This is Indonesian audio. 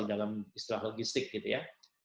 dalam istilah logistik gitu ya